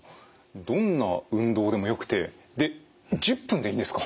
どんな運動でもよくてで１０分でいいんですか？